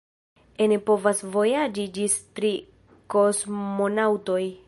Ene povas vojaĝi ĝis tri kosmonaŭtoj.